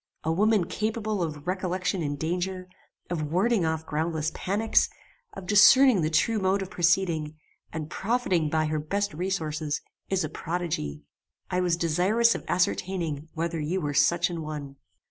A woman capable of recollection in danger, of warding off groundless panics, of discerning the true mode of proceeding, and profiting by her best resources, is a prodigy. I was desirous of ascertaining whether you were such an one.